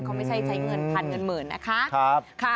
เขาไม่ใช่ใช้เงินพันเงินหมื่นนะคะ